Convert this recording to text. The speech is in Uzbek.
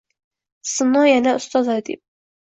Sino yana ustoz adib